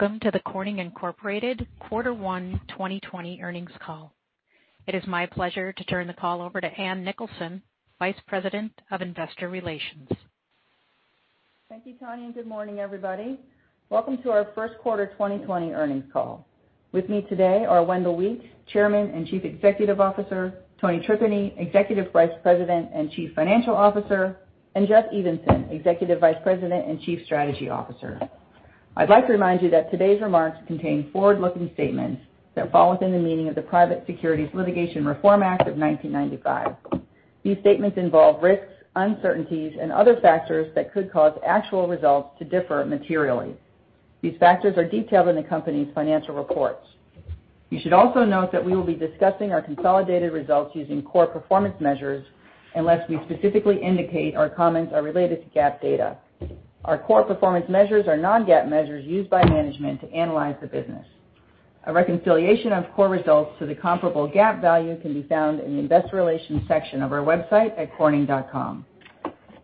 Welcome to the Corning Incorporated Quarter one 2020 earnings call. It is my pleasure to turn the call over to Ann Nicholson, Vice President of Investor Relations. Thank you, Tanya. Good morning, everybody. Welcome to our first quarter 2020 earnings call. With me today are Wendell Weeks, Chairman and Chief Executive Officer, Tony Tripeny, Executive Vice President and Chief Financial Officer, and Jeffrey Evenson, Executive Vice President and Chief Strategy Officer. I'd like to remind you that today's remarks contain forward-looking statements that fall within the meaning of the Private Securities Litigation Reform Act of 1995. These statements involve risks, uncertainties, and other factors that could cause actual results to differ materially. These factors are detailed in the company's financial reports. You should also note that we will be discussing our consolidated results using core performance measures, unless we specifically indicate our comments are related to GAAP data. Our core performance measures are non-GAAP measures used by management to analyze the business. A reconciliation of core results to the comparable GAAP value can be found in the investor relations section of our website at corning.com.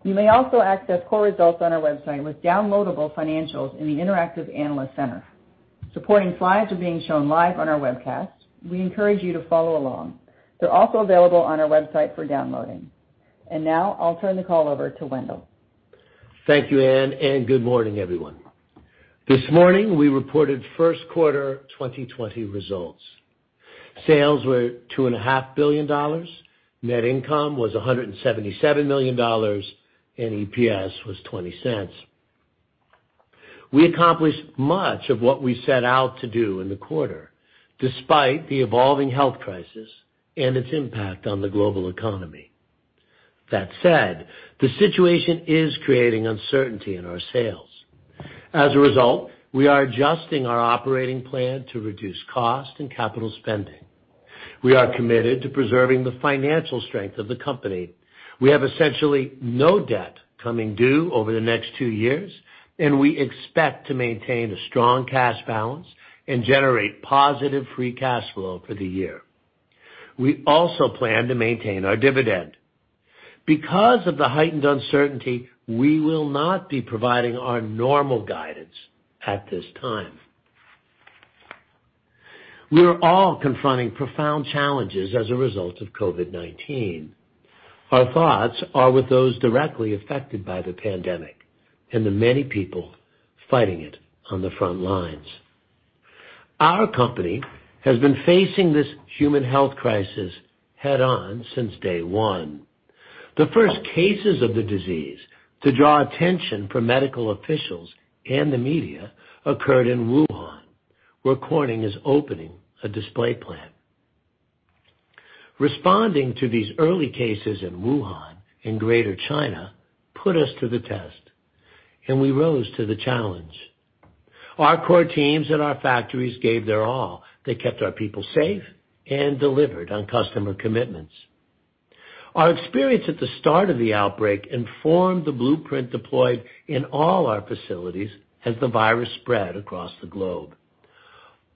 You may also access core results on our website with downloadable financials in the Interactive Analyst Center. Supporting slides are being shown live on our webcast. We encourage you to follow along. They're also available on our website for downloading. Now I'll turn the call over to Wendell. Thank you, Ann, and good morning, everyone. This morning, we reported first quarter 2020 results. Sales were $2.5 billion, net income was $177 million, and EPS was $0.20. We accomplished much of what we set out to do in the quarter, despite the evolving health crisis and its impact on the global economy. That said, the situation is creating uncertainty in our sales. As a result, we are adjusting our operating plan to reduce cost and capital spending. We are committed to preserving the financial strength of the company. We have essentially no debt coming due over the next two years, and we expect to maintain a strong cash balance and generate positive free cash flow for the year. We also plan to maintain our dividend. Because of the heightened uncertainty, we will not be providing our normal guidance at this time. We're all confronting profound challenges as a result of COVID-19. Our thoughts are with those directly affected by the pandemic and the many people fighting it on the front lines. Our company has been facing this human health crisis head on since day one. The first cases of the disease to draw attention from medical officials and the media occurred in Wuhan, where Corning is opening a display plant. Responding to these early cases in Wuhan, in Greater China, put us to the test, and we rose to the challenge. Our core teams at our factories gave their all. They kept our people safe and delivered on customer commitments. Our experience at the start of the outbreak informed the blueprint deployed in all our facilities as the virus spread across the globe.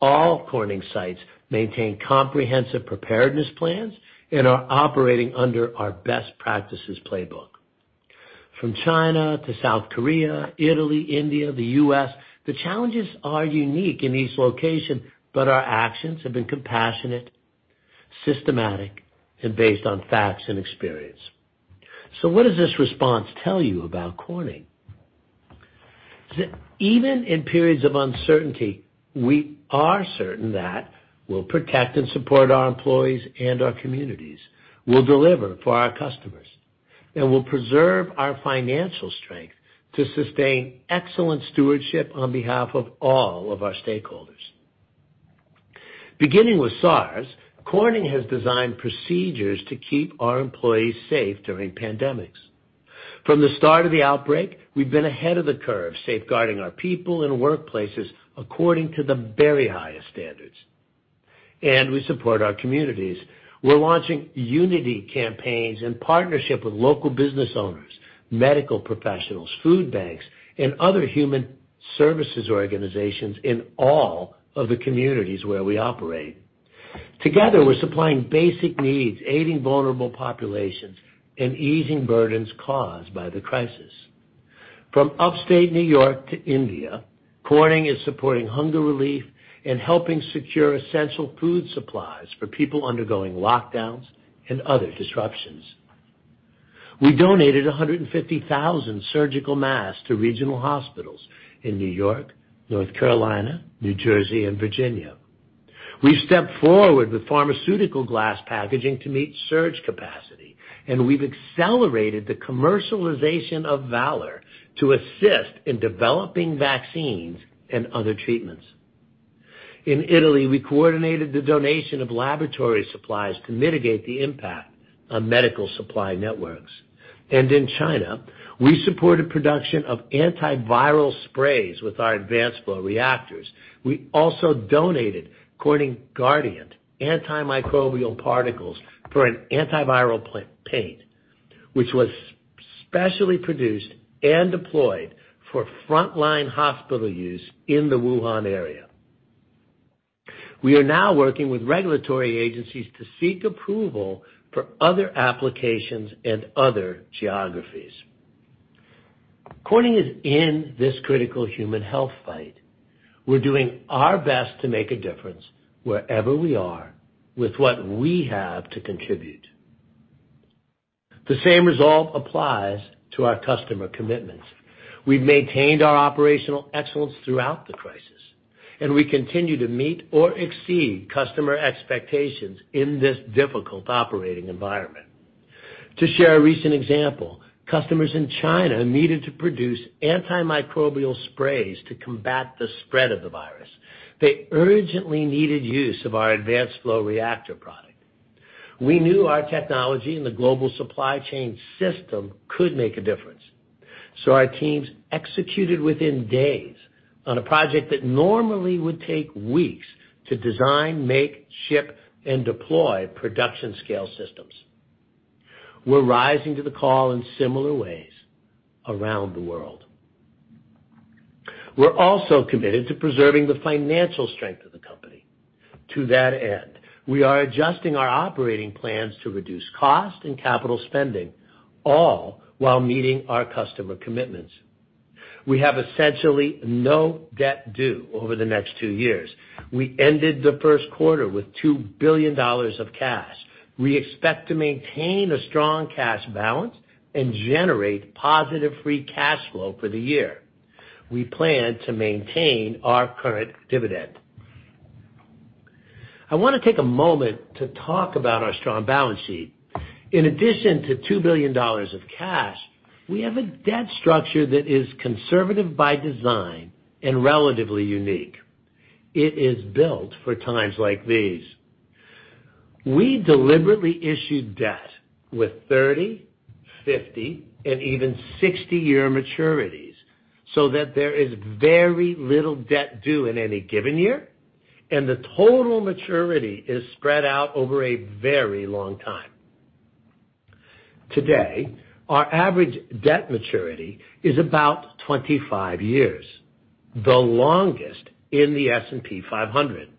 All Corning sites maintain comprehensive preparedness plans and are operating under our best practices playbook. From China to South Korea, Italy, India, the U.S., the challenges are unique in each location, but our actions have been compassionate, systematic, and based on facts and experience. What does this response tell you about Corning? That even in periods of uncertainty, we are certain that we'll protect and support our employees and our communities, we'll deliver for our customers, and we'll preserve our financial strength to sustain excellent stewardship on behalf of all of our stakeholders. Beginning with SARS, Corning has designed procedures to keep our employees safe during pandemics. From the start of the outbreak, we've been ahead of the curve, safeguarding our people and workplaces according to the very highest standards. We support our communities. We're launching unity campaigns in partnership with local business owners, medical professionals, food banks, and other human services organizations in all of the communities where we operate. Together, we're supplying basic needs, aiding vulnerable populations, and easing burdens caused by the crisis. From Upstate New York to India, Corning is supporting hunger relief and helping secure essential food supplies for people undergoing lockdowns and other disruptions. We donated 150,000 surgical masks to regional hospitals in New York, North Carolina, New Jersey, and Virginia. We've stepped forward with pharmaceutical glass packaging to meet surge capacity, and we've accelerated the commercialization of Valor to assist in developing vaccines and other treatments. In Italy, we coordinated the donation of laboratory supplies to mitigate the impact on medical supply networks. In China, we supported production of antiviral sprays with our Advanced-Flow Reactors. We also donated Corning Guardiant antimicrobial particles for an antiviral paint, which was specially produced and deployed for frontline hospital use in the Wuhan area. We are now working with regulatory agencies to seek approval for other applications and other geographies. Corning is in this critical human health fight. We're doing our best to make a difference wherever we are with what we have to contribute. The same resolve applies to our customer commitments. We've maintained our operational excellence throughout the crisis, and we continue to meet or exceed customer expectations in this difficult operating environment. To share a recent example, customers in China needed to produce antimicrobial sprays to combat the spread of the virus. They urgently needed use of our Advanced-Flow Reactor product. We knew our technology and the global supply chain system could make a difference. Our teams executed within days on a project that normally would take weeks to design, make, ship, and deploy production scale systems. We're rising to the call in similar ways around the world. We're also committed to preserving the financial strength of the company. To that end, we are adjusting our operating plans to reduce cost and capital spending, all while meeting our customer commitments. We have essentially no debt due over the next two years. We ended the first quarter with $2 billion of cash. We expect to maintain a strong cash balance and generate positive free cash flow for the year. We plan to maintain our current dividend. I want to take a moment to talk about our strong balance sheet. In addition to $2 billion of cash, we have a debt structure that is conservative by design and relatively unique. It is built for times like these. We deliberately issued debt with 30, 50, and even 60-year maturities so that there is very little debt due in any given year, and the total maturity is spread out over a very long time. Today, our average debt maturity is about 25 years, the longest in the S&P 500.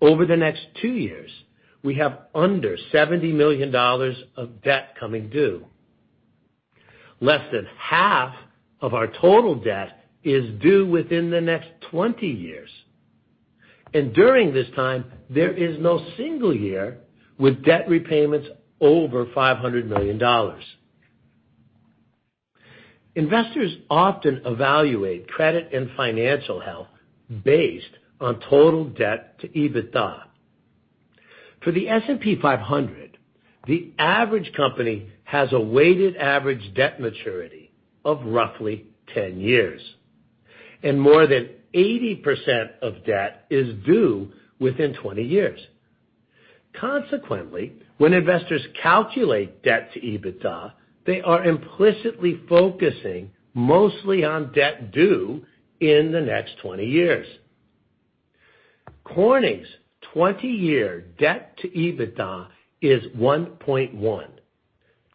Over the next two years, we have under $70 million of debt coming due. Less than half of our total debt is due within the next 20 years, and during this time, there is no single year with debt repayments over $500 million. Investors often evaluate credit and financial health based on total debt to EBITDA. For the S&P 500, the average company has a weighted average debt maturity of roughly 10 years, and more than 80% of debt is due within 20 years. Consequently, when investors calculate debt to EBITDA, they are implicitly focusing mostly on debt due in the next 20 years. Corning's 20-year debt to EBITDA is 1.1,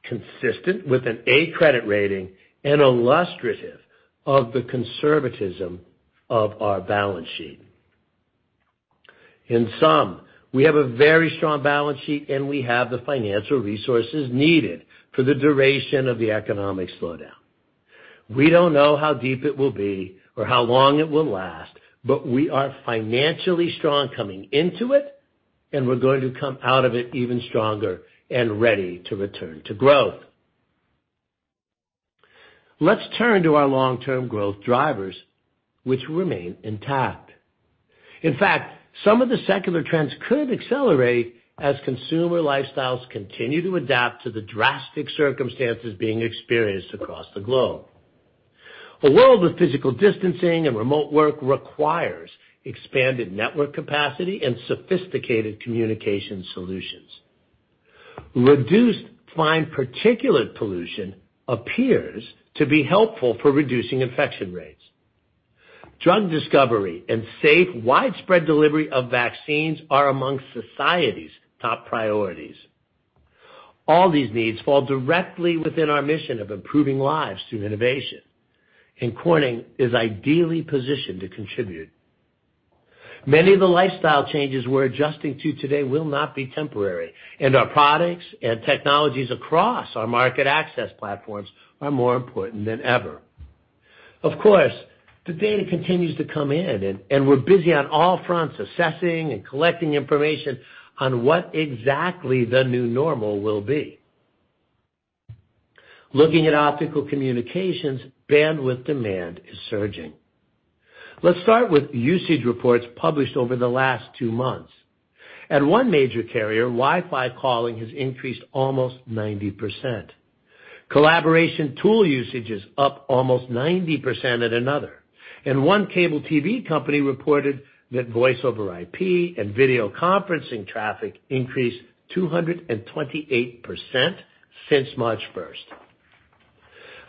consistent with an A credit rating and illustrative of the conservatism of our balance sheet. In sum, we have a very strong balance sheet, and we have the financial resources needed for the duration of the economic slowdown. We don't know how deep it will be or how long it will last, but we are financially strong coming into it, and we're going to come out of it even stronger and ready to return to growth. Let's turn to our long-term growth drivers, which remain intact. In fact, some of the secular trends could accelerate as consumer lifestyles continue to adapt to the drastic circumstances being experienced across the globe. A world with physical distancing and remote work requires expanded network capacity and sophisticated communication solutions. Reduced fine particulate pollution appears to be helpful for reducing infection rates. Drug discovery and safe, widespread delivery of vaccines are amongst society's top priorities. All these needs fall directly within our mission of improving lives through innovation, and Corning is ideally positioned to contribute. Many of the lifestyle changes we're adjusting to today will not be temporary, and our products and technologies across our market access platforms are more important than ever. Of course, the data continues to come in, and we're busy on all fronts, assessing and collecting information on what exactly the new normal will be. Looking at Optical Communications, bandwidth demand is surging. Let's start with usage reports published over the last two months. At one major carrier, Wi-Fi calling has increased almost 90%. Collaboration tool usage is up almost 90% at another. One cable TV company reported that Voice over IP and video conferencing traffic increased 228% since March 1st.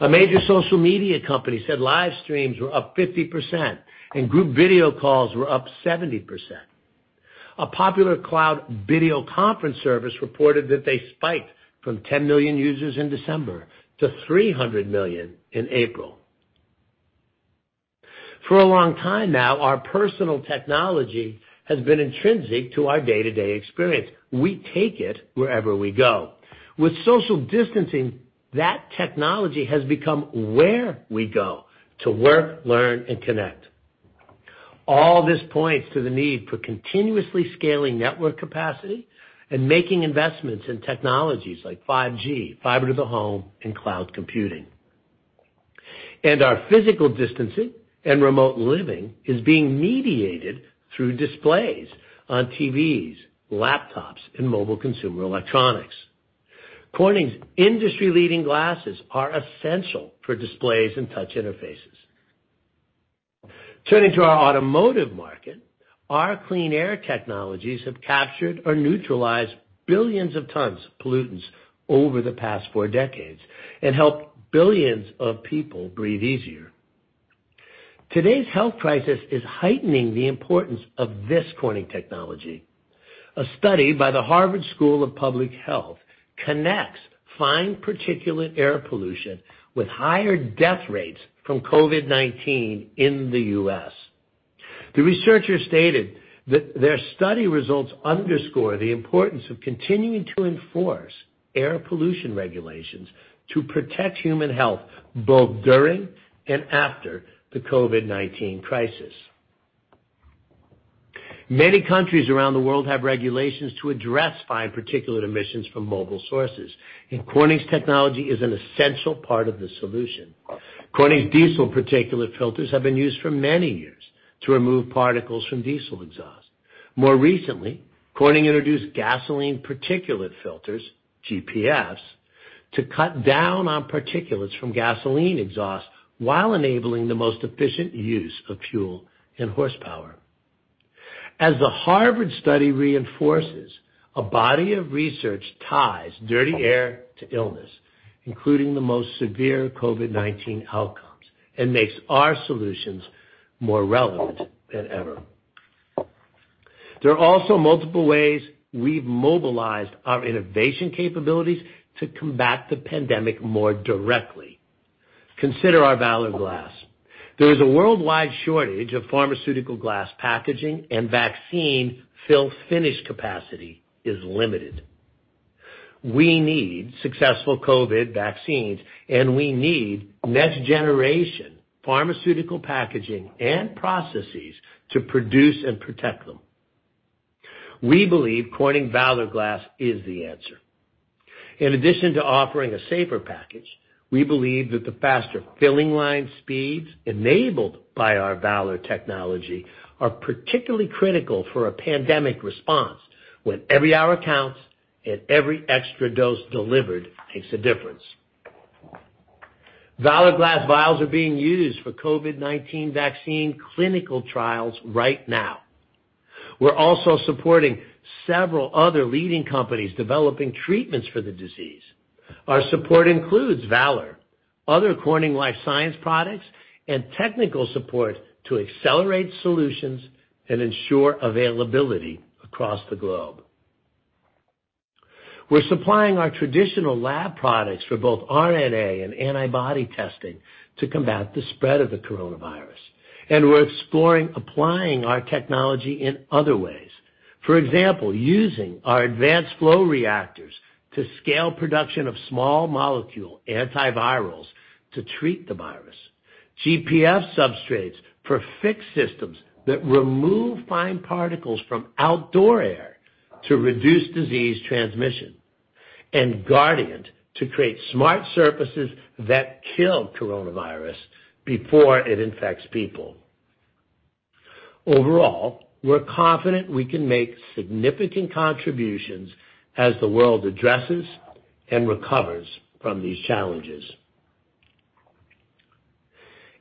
A major social media company said live streams were up 50%, and group video calls were up 70%. A popular cloud video conference service reported that they spiked from 10 million users in December to 300 million in April. For a long time now, our personal technology has been intrinsic to our day-to-day experience. We take it wherever we go. With social distancing, that technology has become where we go to work, learn, and connect. All this points to the need for continuously scaling network capacity and making investments in technologies like 5G, fiber to the home, and cloud computing. Our physical distancing and remote living is being mediated through displays on TVs, laptops, and mobile consumer electronics. Corning's industry-leading glasses are essential for displays and touch interfaces. Turning to our automotive market, our clean air technologies have captured or neutralized billions of tons of pollutants over the past four decades and helped billions of people breathe easier. Today's health crisis is heightening the importance of this Corning technology. A study by the Harvard School of Public Health connects fine particulate air pollution with higher death rates from COVID-19 in the U.S. The researchers stated that their study results underscore the importance of continuing to enforce air pollution regulations to protect human health both during and after the COVID-19 crisis. Many countries around the world have regulations to address fine particulate emissions from mobile sources, and Corning's technology is an essential part of the solution. Corning diesel particulate filters have been used for many years to remove particles from diesel exhaust. More recently, Corning introduced gasoline particulate filters, GPFs, to cut down on particulates from gasoline exhaust while enabling the most efficient use of fuel and horsepower. As the Harvard study reinforces, a body of research ties dirty air to illness, including the most severe COVID-19 outcomes, and makes our solutions more relevant than ever. There are also multiple ways we've mobilized our innovation capabilities to combat the pandemic more directly. Consider our Valor Glass. There is a worldwide shortage of pharmaceutical glass packaging, and vaccine fill finish capacity is limited. We need successful COVID vaccines, and we need next-generation pharmaceutical packaging and processes to produce and protect them. We believe Corning Valor Glass is the answer. In addition to offering a safer package, we believe that the faster filling line speeds enabled by our Valor technology are particularly critical for a pandemic response when every hour counts and every extra dose delivered makes a difference. Valor Glass vials are being used for COVID-19 vaccine clinical trials right now. We're also supporting several other leading companies developing treatments for the disease. Our support includes Valor, other Corning Life Sciences products, and technical support to accelerate solutions and ensure availability across the globe. We're supplying our traditional lab products for both RNA and antibody testing to combat the spread of the coronavirus. We're exploring applying our technology in other ways. For example, using our Advanced-Flow Reactors to scale production of small molecule antivirals to treat the virus, GPF substrates for fixed systems that remove fine particles from outdoor air to reduce disease transmission, and Guardiant to create smart surfaces that kill coronavirus before it infects people. Overall, we're confident we can make significant contributions as the world addresses and recovers from these challenges.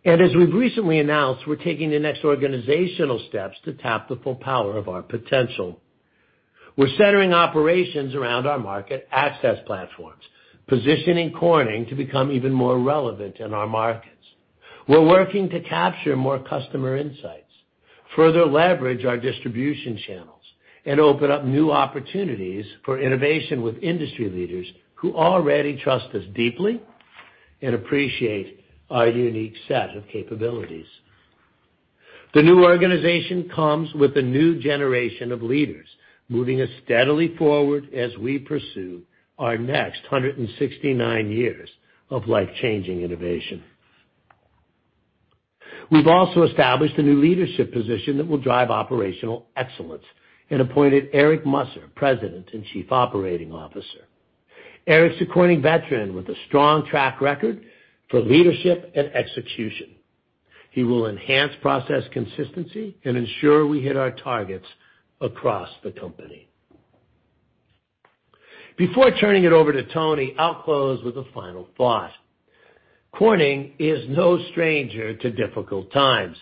As we've recently announced, we're taking the next organizational steps to tap the full power of our potential. We're centering operations around our market access platforms, positioning Corning to become even more relevant in our markets. We're working to capture more customer insights, further leverage our distribution channels, and open up new opportunities for innovation with industry leaders who already trust us deeply and appreciate our unique set of capabilities. The new organization comes with a new generation of leaders, moving us steadily forward as we pursue our next 169 years of life-changing innovation. We've also established a new leadership position that will drive operational excellence and appointed Eric Musser, President and Chief Operating Officer. Eric's a Corning veteran with a strong track record for leadership and execution. He will enhance process consistency and ensure we hit our targets across the company. Before turning it over to Tony, I'll close with a final thought. Corning is no stranger to difficult times.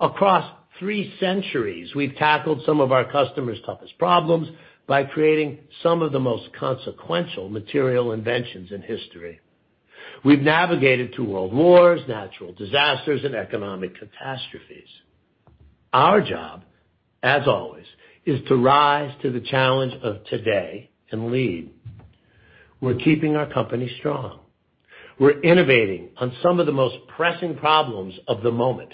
Across three centuries, we've tackled some of our customers' toughest problems by creating some of the most consequential material inventions in history. We've navigated two world wars, natural disasters, and economic catastrophes. Our job, as always, is to rise to the challenge of today and lead. We're keeping our company strong. We're innovating on some of the most pressing problems of the moment,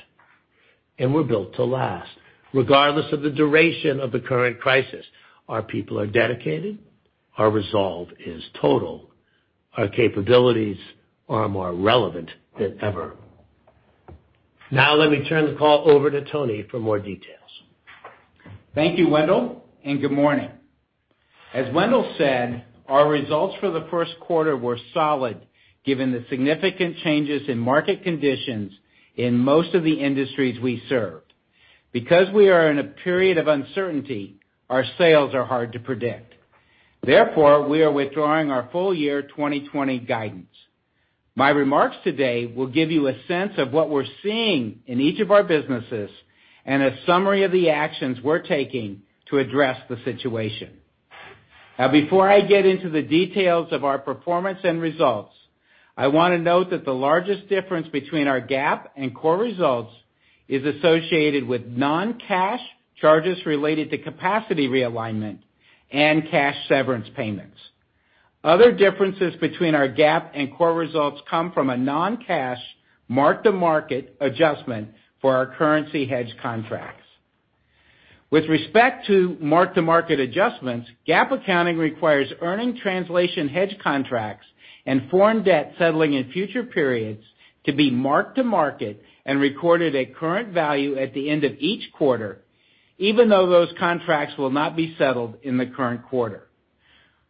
and we're built to last. Regardless of the duration of the current crisis, our people are dedicated, our resolve is total, our capabilities are more relevant than ever. Now let me turn the call over to Tony for more details. Thank you, Wendell, and good morning. As Wendell said, our results for the first quarter were solid given the significant changes in market conditions in most of the industries we serve. Because we are in a period of uncertainty, our sales are hard to predict. Therefore, we are withdrawing our full year 2020 guidance. My remarks today will give you a sense of what we're seeing in each of our businesses and a summary of the actions we're taking to address the situation. Now, before I get into the details of our performance and results, I want to note that the largest difference between our GAAP and core results is associated with non-cash charges related to capacity realignment and cash severance payments. Other differences between our GAAP and core results come from a non-cash mark-to-market adjustment for our currency hedge contracts. With respect to mark to market adjustments, GAAP accounting requires earnings translation hedge contracts and foreign debt settling in future periods to be mark to market and recorded at current value at the end of each quarter, even though those contracts will not be settled in the current quarter.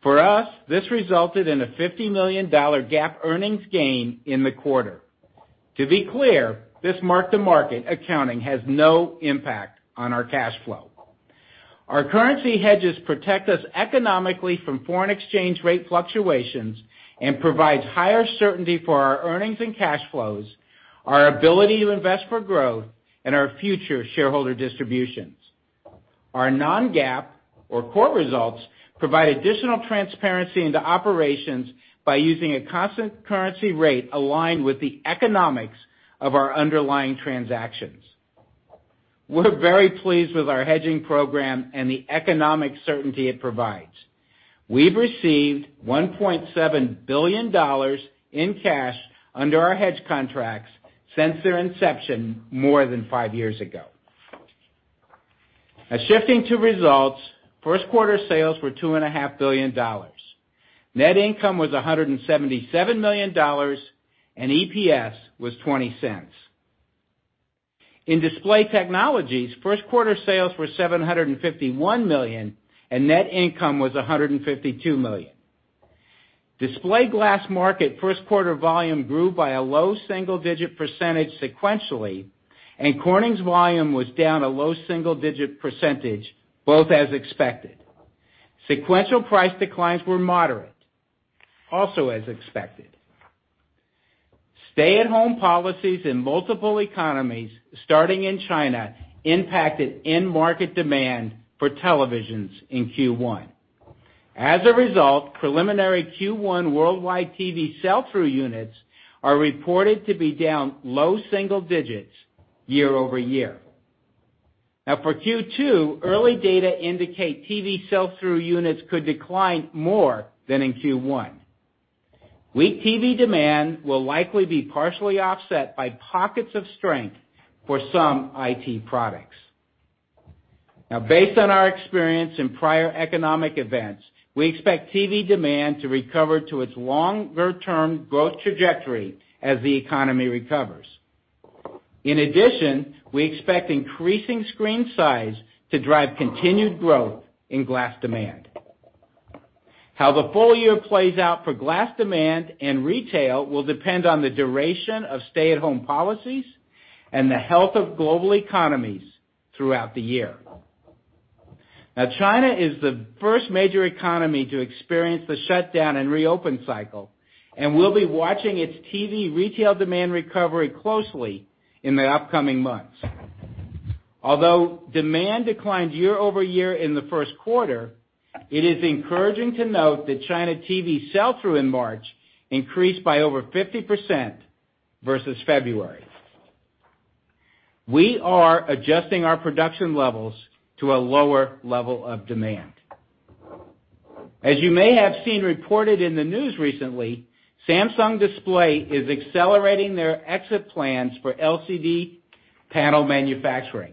For us, this resulted in a $50 million GAAP earnings gain in the quarter. To be clear, this mark-to-market accounting has no impact on our cash flow. Our currency hedges protect us economically from foreign exchange rate fluctuations and provides higher certainty for our earnings and cash flows, our ability to invest for growth, and our future shareholder distributions. Our non-GAAP, or core results, provide additional transparency into operations by using a constant currency rate aligned with the economics of our underlying transactions. We're very pleased with our hedging program and the economic certainty it provides. We've received $1.7 billion in cash under our hedge contracts since their inception more than five years ago. Shifting to results, first quarter sales were $2.5 billion. Net income was $177 million, and EPS was $0.20. In Display Technologies, first quarter sales were $751 million, and net income was $152 million. Display glass market first quarter volume grew by a low single-digit percentage sequentially, and Corning's volume was down a low single-digit percentage, both as expected. Sequential price declines were moderate, also as expected. Stay-at-home policies in multiple economies, starting in China, impacted end market demand for televisions in Q1. As the result, preliminary Q1 worldwide TV sell-through units are reported to be down low single digits year-over-year. For Q2, early data indicate TV sell-through units could decline more than in Q1. Weak TV demand will likely be partially offset by pockets of strength for some IT products. Based on our experience in prior economic events, we expect TV demand to recover to its longer-term growth trajectory as the economy recovers. In addition, we expect increasing screen size to drive continued growth in glass demand. How the full year plays out for glass demand and retail will depend on the duration of stay-at-home policies and the health of global economies throughout the year. China is the first major economy to experience the shutdown and reopen cycle, and we'll be watching its TV retail demand recovery closely in the upcoming months. Although demand declined year-over-year in the first quarter, it is encouraging to note that China TV sell-through in March increased by over 50% versus February. We are adjusting our production levels to a lower level of demand. As you may have seen reported in the news recently, Samsung Display is accelerating their exit plans for LCD panel manufacturing.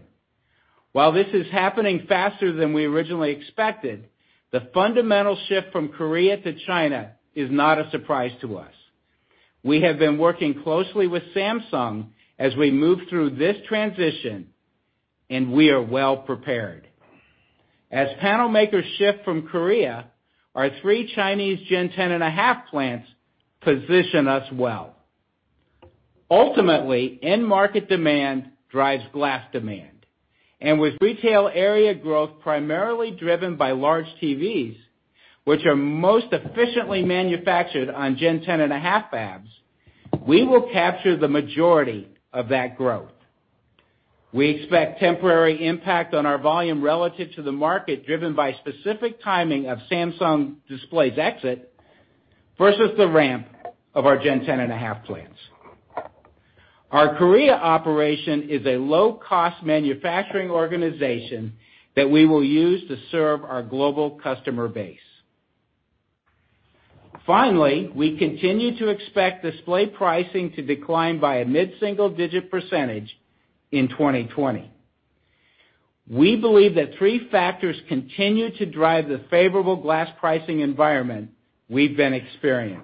While this is happening faster than we originally expected, the fundamental shift from Korea to China is not a surprise to us. We have been working closely with Samsung as we move through this transition, and we are well-prepared. As panel makers shift from Korea, our three Chinese Gen 10.5 plants position us well. Ultimately, end market demand drives glass demand, and with retail area growth primarily driven by large TVs, which are most efficiently manufactured on Gen 10.5 fabs, we will capture the majority of that growth. We expect temporary impact on our volume relative to the market driven by specific timing of Samsung Display's exit versus the ramp of our Gen 10.5 plants. Our Korea operation is a low-cost manufacturing organization that we will use to serve our global customer base. Finally, we continue to expect display pricing to decline by a mid-single-digit percentage in 2020. We believe that three factors continue to drive the favorable glass pricing environment we've been experiencing.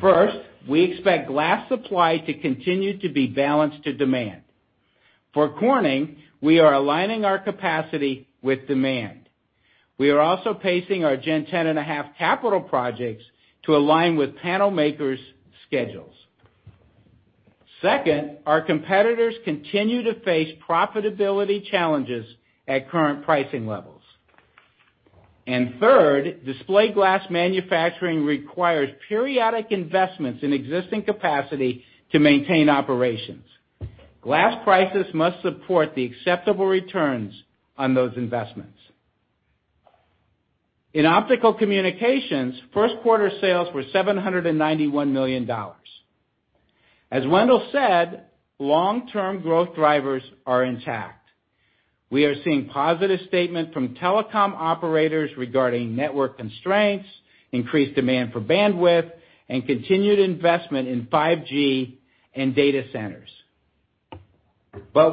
First, we expect glass supply to continue to be balanced to demand. For Corning, we are aligning our capacity with demand. We are also pacing our Gen 10.5 capital projects to align with panel makers' schedules. Second, our competitors continue to face profitability challenges at current pricing levels. Third, Display glass manufacturing requires periodic investments in existing capacity to maintain operations. Glass prices must support the acceptable returns on those investments. In Optical Communications, first quarter sales were $791 million. As Wendell said, long-term growth drivers are intact. We are seeing positive statement from telecom operators regarding network constraints, increased demand for bandwidth, and continued investment in 5G and data centers.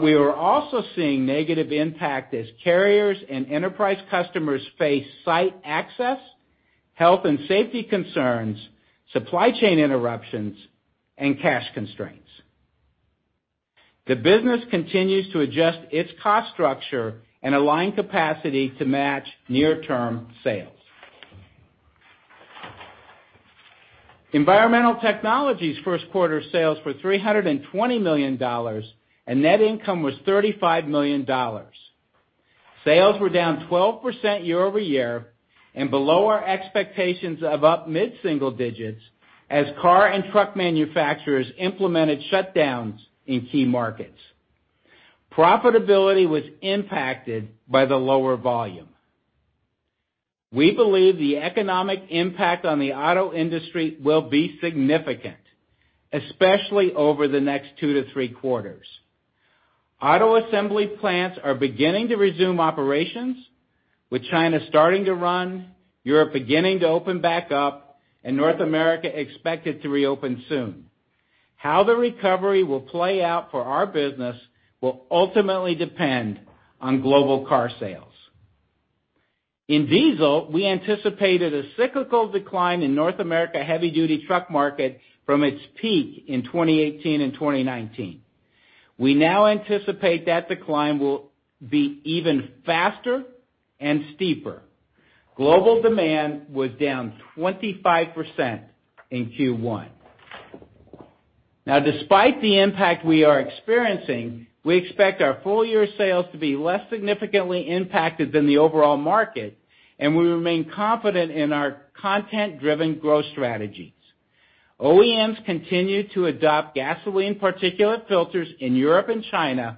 We are also seeing negative impact as carriers and enterprise customers face site access, health and safety concerns, supply chain interruptions, and cash constraints. The business continues to adjust its cost structure and align capacity to match near-term sales. Environmental Technologies first quarter sales were $320 million, and net income was $35 million. Sales were down 12% year-over-year, and below our expectations of up mid-single digits as car and truck manufacturers implemented shutdowns in key markets. Profitability was impacted by the lower volume. We believe the economic impact on the auto industry will be significant, especially over the next 2-3 quarters. Auto assembly plants are beginning to resume operations, with China starting to run, Europe beginning to open back up, and North America expected to reopen soon. How the recovery will play out for our business will ultimately depend on global car sales. In diesel, we anticipated a cyclical decline in North America heavy duty truck market from its peak in 2018 and 2019. We now anticipate that decline will be even faster and steeper. Global demand was down 25% in Q1. Now, despite the impact we are experiencing, we expect our full year sales to be less significantly impacted than the overall market, and we remain confident in our content-driven growth strategies. OEMs continue to adopt gasoline particulate filters in Europe and China,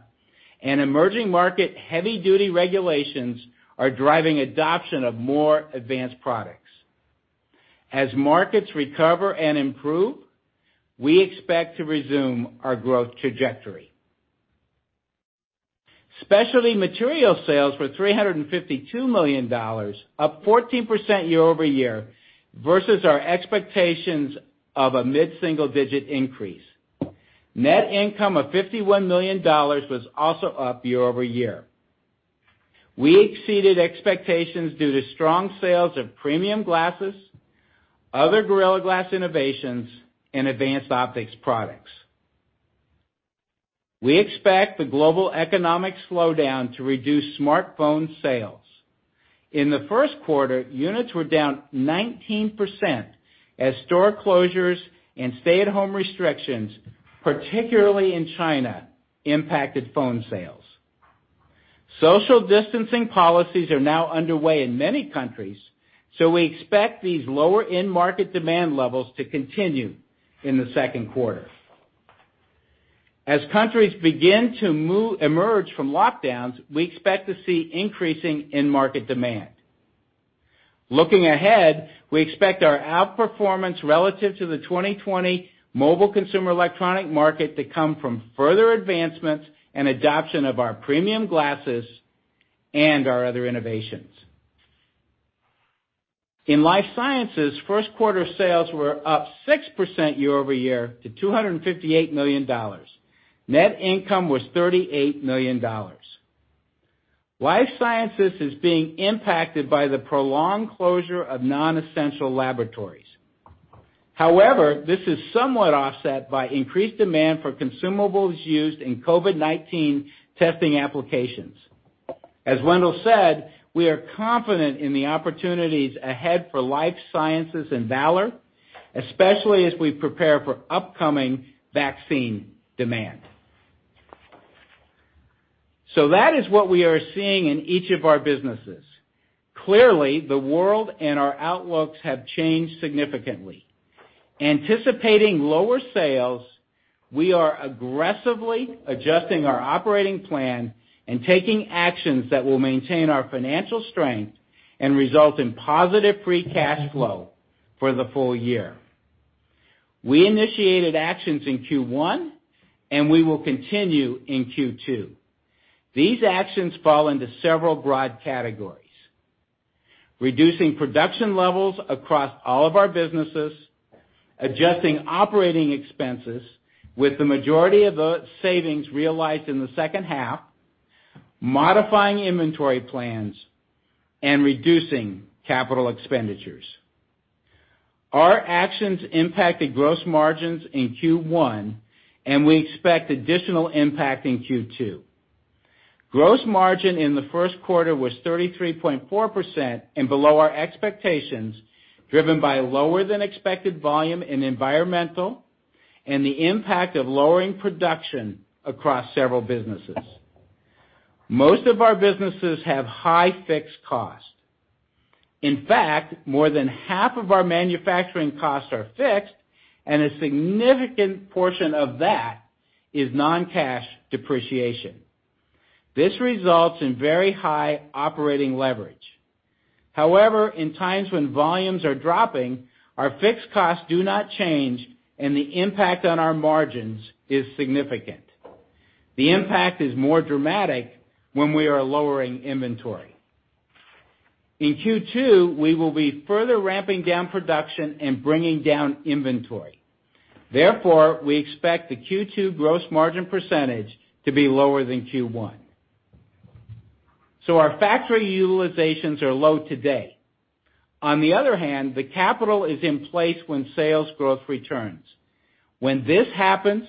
and emerging market heavy duty regulations are driving adoption of more advanced products. As markets recover and improve, we expect to resume our growth trajectory. Specialty Materials sales were $352 million, up 14% year-over-year, versus our expectations of a mid-single digit increase. Net income of $51 million was also up year-over-year. We exceeded expectations due to strong sales of premium glasses, other Gorilla Glass innovations, and advanced optics products. We expect the global economic slowdown to reduce smartphone sales. In the first quarter, units were down 19% as store closures and stay-at-home restrictions, particularly in China, impacted phone sales. Social distancing policies are now underway in many countries, so we expect these lower end market demand levels to continue in the second quarter. As countries begin to emerge from lockdowns, we expect to see increasing end market demand. Looking ahead, we expect our outperformance relative to the 2020 mobile consumer electronic market to come from further advancements and adoption of our premium glasses and our other innovations. In Life Sciences, first quarter sales were up 6% year-over-year to $258 million. Net income was $38 million. Life Sciences is being impacted by the prolonged closure of non-essential laboratories. However, this is somewhat offset by increased demand for consumables used in COVID-19 testing applications. As Wendell said, we are confident in the opportunities ahead for Life Sciences and Valor, especially as we prepare for upcoming vaccine demand. That is what we are seeing in each of our businesses. Clearly, the world and our outlooks have changed significantly. Anticipating lower sales, we are aggressively adjusting our operating plan and taking actions that will maintain our financial strength and result in positive free cash flow for the full year. We initiated actions in Q1, and we will continue in Q2. These actions fall into several broad categories: reducing production levels across all of our businesses, adjusting operating expenses with the majority of the savings realized in the second half, modifying inventory plans, and reducing capital expenditures. Our actions impacted gross margins in Q1, and we expect additional impact in Q2. Gross margin in the first quarter was 33.4% and below our expectations, driven by lower than expected volume in Environmental and the impact of lowering production across several businesses. Most of our businesses have high fixed costs. In fact, more than half of our manufacturing costs are fixed, and a significant portion of that is non-cash depreciation. This results in very high operating leverage. However, in times when volumes are dropping, our fixed costs do not change and the impact on our margins is significant. The impact is more dramatic when we are lowering inventory. In Q2, we will be further ramping down production and bringing down inventory. We expect the Q2 gross margin percentage to be lower than Q1. Our factory utilizations are low today. On the other hand, the capital is in place when sales growth returns. When this happens,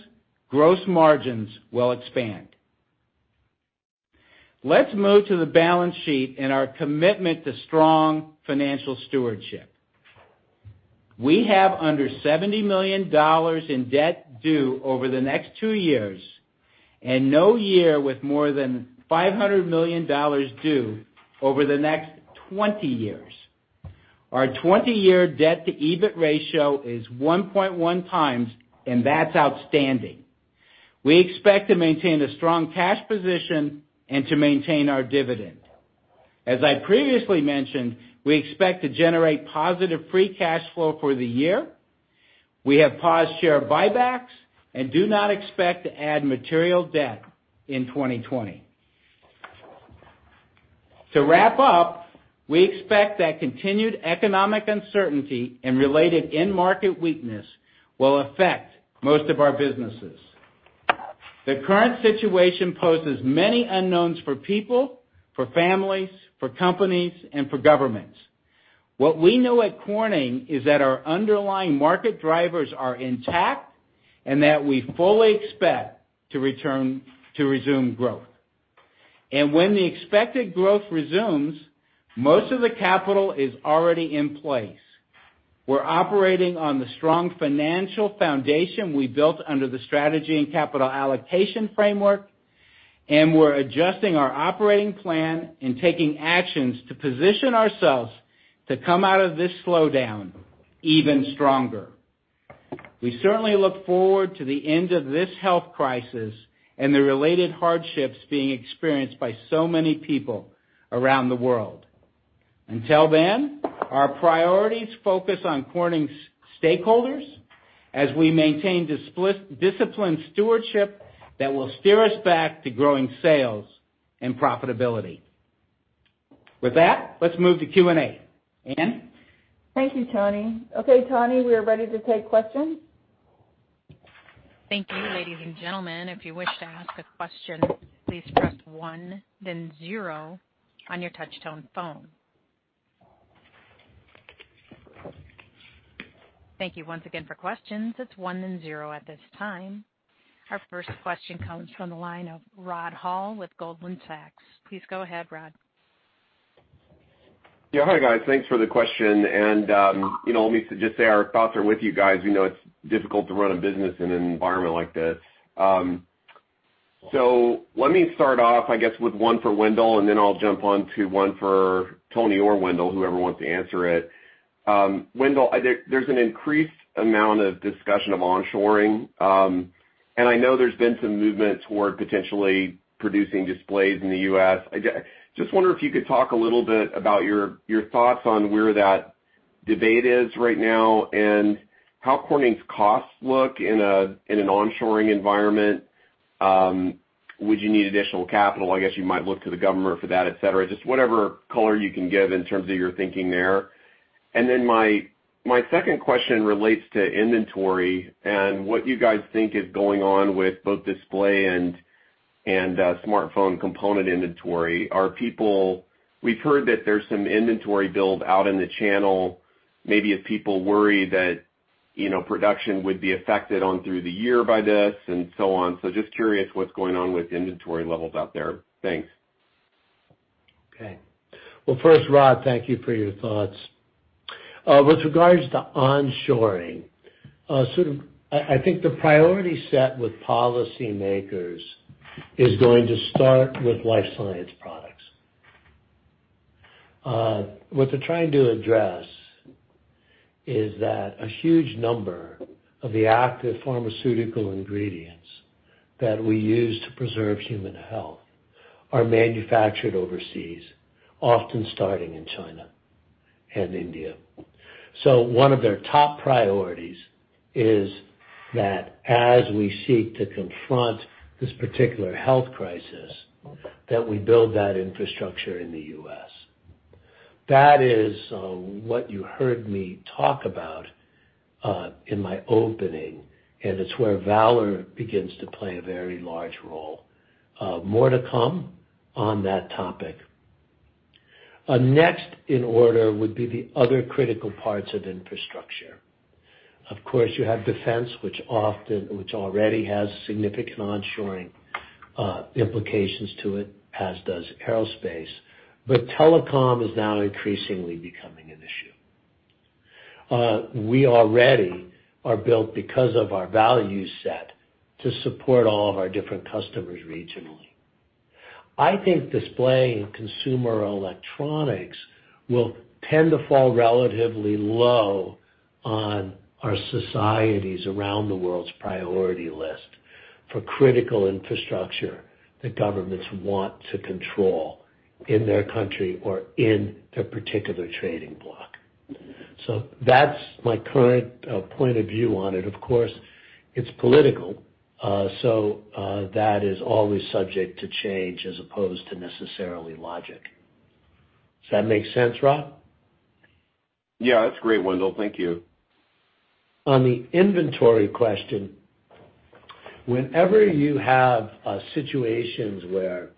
gross margins will expand. Let's move to the balance sheet and our commitment to strong financial stewardship. We have under $70 million in debt due over the next two years, and no year with more than $500 million due over the next 20 years. Our 20-year debt-to-EBIT ratio is 1.1x, and that's outstanding. We expect to maintain a strong cash position and to maintain our dividend. As I previously mentioned, we expect to generate positive free cash flow for the year. We have paused share buybacks and do not expect to add material debt in 2020. To wrap up, we expect that continued economic uncertainty and related end market weakness will affect most of our businesses. The current situation poses many unknowns for people, for families, for companies, and for governments. What we know at Corning is that our underlying market drivers are intact and that we fully expect to resume growth. When the expected growth resumes, most of the capital is already in place. We're operating on the strong financial foundation we built under the strategy and capital allocation framework, and we're adjusting our operating plan and taking actions to position ourselves to come out of this slowdown even stronger. We certainly look forward to the end of this health crisis and the related hardships being experienced by so many people around the world. Until then, our priorities focus on Corning stakeholders as we maintain disciplined stewardship that will steer us back to growing sales and profitability. With that, let's move to Q&A. Ann? Thank you, Tony. Okay, Tony, we are ready to take questions. Thank you. Ladies and gentlemen, if you wish to ask a question, please press one, then zero on your touch-tone phone. Thank you once again for questions. It's one then zero at this time. Our first question comes from the line of Rod Hall with Goldman Sachs. Please go ahead, Rod. Yeah. Hi, guys. Thanks for the question, and let me just say our thoughts are with you guys. We know it's difficult to run a business in an environment like this. Let me start off, I guess, with one for Wendell, and then I'll jump onto one for Tony or Wendell, whoever wants to answer it. Wendell, there's an increased amount of discussion of onshoring. I know there's been some movement toward potentially producing displays in the U.S. I just wonder if you could talk a little bit about your thoughts on where that debate is right now and how Corning's costs look in an onshoring environment. Would you need additional capital? I guess you might look to the government for that, et cetera. Just whatever color you can give in terms of your thinking there. My second question relates to inventory and what you guys think is going on with both display and smartphone component inventory. We've heard that there's some inventory build out in the channel. Maybe if people worry that production would be affected on through the year by this and so on. Just curious what's going on with inventory levels out there. Thanks. Okay. Well first, Rod, thank you for your thoughts. With regards to onshoring, I think the priority set with policymakers is going to start with life science products. What they're trying to address is that a huge number of the active pharmaceutical ingredients that we use to preserve human health are manufactured overseas, often starting in China and India. One of their top priorities is that as we seek to confront this particular health crisis, that we build that infrastructure in the U.S. That is what you heard me talk about in my opening, and it's where Valor begins to play a very large role. More to come on that topic. Next in order would be the other critical parts of infrastructure. Of course, you have defense, which already has significant onshoring implications to it, as does aerospace. Telecom is now increasingly becoming an issue. We already are built, because of our value set, to support all of our different customers regionally. I think display and consumer electronics will tend to fall relatively low on our societies around the world's priority list for critical infrastructure that governments want to control in their country or in their particular trading block. That's my current point of view on it. Of course, it's political. That is always subject to change as opposed to necessarily logic. Does that make sense, Rod? Yeah, that's great, Wendell. Thank you. On the inventory question, whenever you have situations where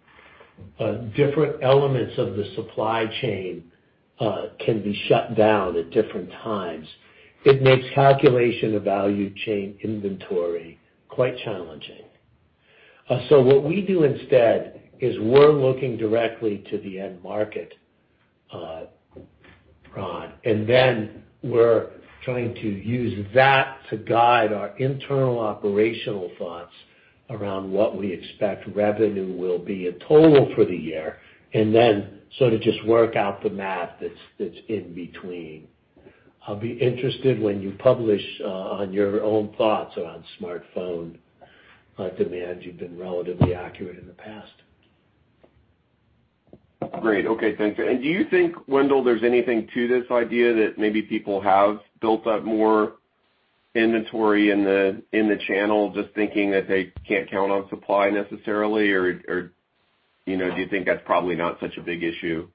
different elements of the supply chain can be shut down at different times, it makes calculation of value chain inventory quite challenging. What we do instead is we're looking directly to the end market, Rod, and then we're trying to use that to guide our internal operational thoughts around what we expect revenue will be in total for the year, and then sort of just work out the math that's in between. I'll be interested when you publish on your own thoughts around smartphone demand. You've been relatively accurate in the past. Great. Okay, thanks. Do you think, Wendell, there's anything to this idea that maybe people have built up more inventory in the channel, just thinking that they can't count on supply necessarily? Do you think that's probably not such a big issue?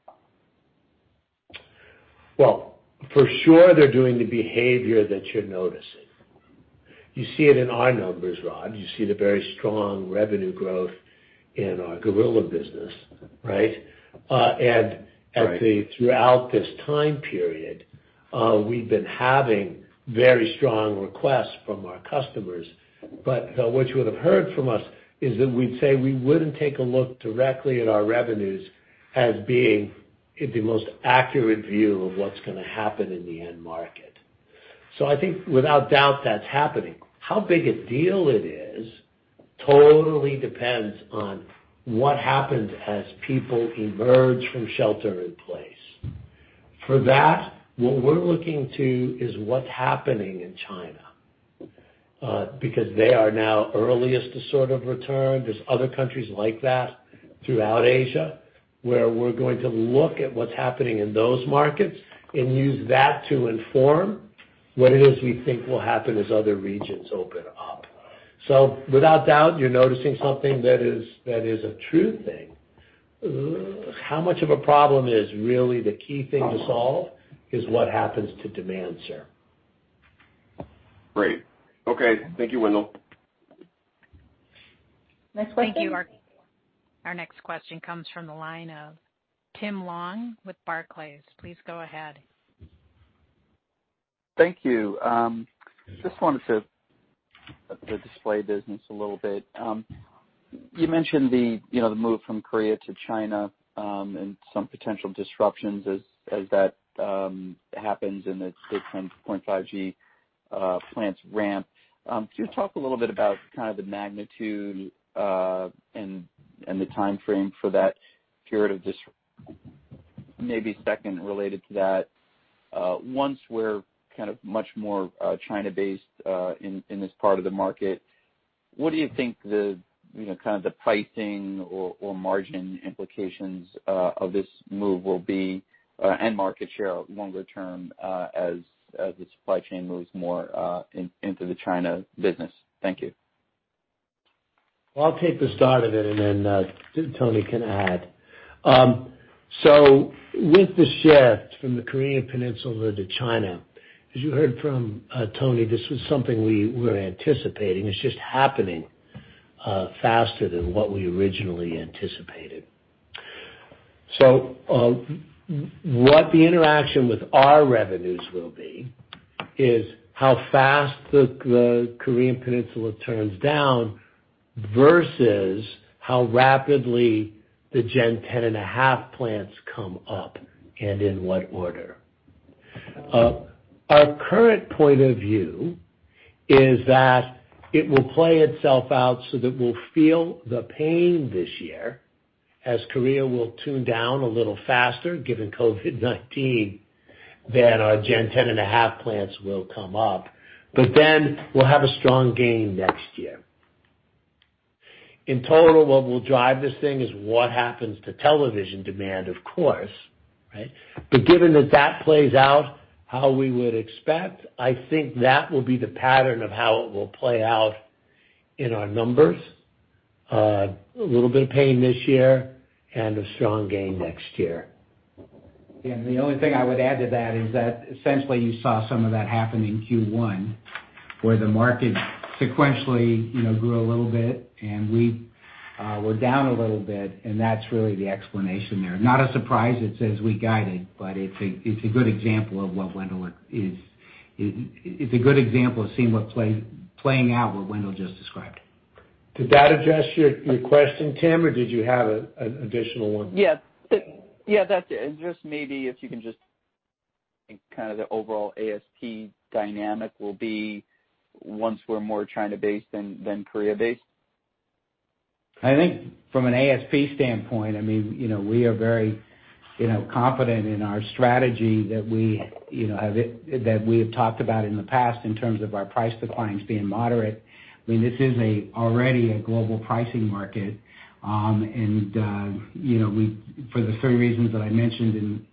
Well, for sure they're doing the behavior that you're noticing. You see it in our numbers, Rod. You see the very strong revenue growth in our Gorilla business, right? Right. Throughout this time period, we've been having very strong requests from our customers. What you would have heard from us is that we'd say we wouldn't take a look directly at our revenues as being the most accurate view of what's going to happen in the end market. I think without doubt that's happening. How big a deal it is totally depends on what happens as people emerge from shelter in place. For that, what we're looking to is what's happening in China, because they are now earliest to sort of return. There's other countries like that throughout Asia, where we're going to look at what's happening in those markets and use that to inform what it is we think will happen as other regions open up. Without doubt, you're noticing something that is a true thing. How much of a problem it is, really the key thing to solve is what happens to demand, sir. Great. Okay. Thank you, Wendell. Next question. Thank you. Our next question comes from the line of Tim Long with Barclays. Please go ahead. Thank you. Just wanted to the display business a little bit. You mentioned the move from Korea to China, and some potential disruptions as that happens and as 6.5G plants ramp. Could you talk a little bit about kind of the magnitude, and the timeframe for that period of disruption? Maybe second related to that, once we're kind of much more China-based in this part of the market, what do you think the kind of the pricing or margin implications of this move will be, and market share longer term, as the supply chain moves more into the China business? Thank you. Well, I'll take the start of it. Tony can add. With the shift from the Korean Peninsula to China, as you heard from Tony, this was something we were anticipating. It's just happening faster than what we originally anticipated. What the interaction with our revenues will be is how fast the Korean Peninsula turns down versus how rapidly the Gen 10.5 plants come up and in what order. Our current point of view is that it will play itself out so that we'll feel the pain this year, as Korea will tune down a little faster, given COVID-19, than our Gen 10.5 plants will come up. We'll have a strong gain next year. In total, what will drive this thing is what happens to television demand, of course. Given that that plays out how we would expect, I think that will be the pattern of how it will play out in our numbers. A little bit of pain this year and a strong gain next year. The only thing I would add to that is that essentially you saw some of that happen in Q1, where the market sequentially grew a little bit and we were down a little bit, and that's really the explanation there. Not a surprise. It's as we guided, but it's a good example of seeing what's playing out what Wendell just described. Did that address your question, Tim, or did you have an additional one? Yes, that's it. Just maybe if you can just kind of the overall ASP dynamic will be once we're more China-based than Korea-based. I think from an ASP standpoint, we are very confident in our strategy that we have talked about in the past in terms of our price declines being moderate. This is already a global pricing market, and for the three reasons that I mentioned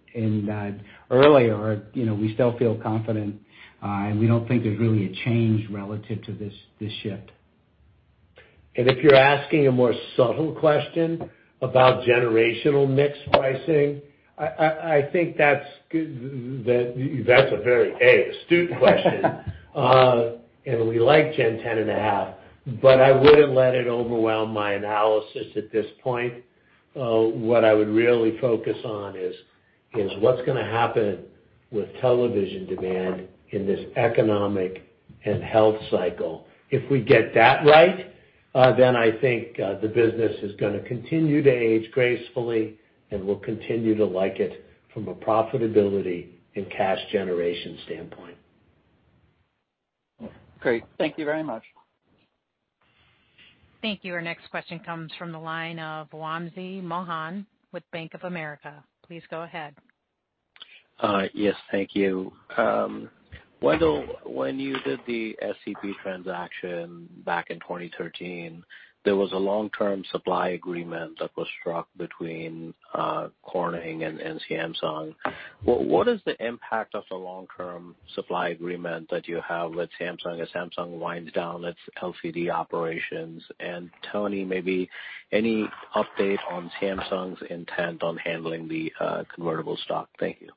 earlier, we still feel confident, and we don't think there's really a change relative to this shift. If you're asking a more subtle question about generational mix pricing, I think that's a very astute question. We like Gen 10.5, but I wouldn't let it overwhelm my analysis at this point. I would really focus on what's going to happen with television demand in this economic and health cycle. If we get that right, then I think the business is going to continue to age gracefully, and we'll continue to like it from a profitability and cash generation standpoint. Great. Thank you very much. Thank you. Our next question comes from the line of Wamsi Mohan with Bank of America. Please go ahead. Yes, thank you. Wendell, when you did the SCP transaction back in 2013, there was a long-term supply agreement that was struck between Corning and Samsung. What is the impact of the long-term supply agreement that you have with Samsung as Samsung winds down its LCD operations? Tony, maybe any update on Samsung's intent on handling the convertible stock? Thank you.